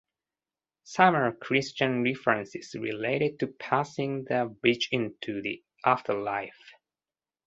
Some are Christian references related to passing the bridge into the afterlife.